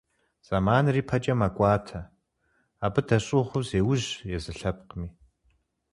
Зэманыр ипэкӀэ мэкӀуатэ, абы дэщӀыгъуу зеужь езы лъэпкъми.